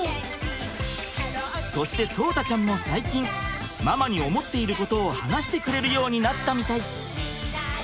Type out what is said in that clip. そして聡太ちゃんも最近ママに思っていることを話してくれるようになったみたい。